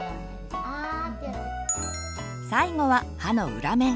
最後は歯の裏面。